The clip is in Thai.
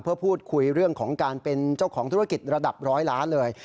เพื่อพูดคุยเรื่องของการเป็นเจ้าของธุรกิจระดับร้อยล้านเลย